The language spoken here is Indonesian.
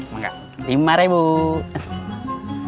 woi teman teman om ini baik